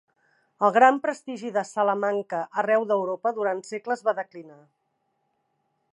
El gran prestigi de Salamanca arreu d'Europa durant segles va declinar.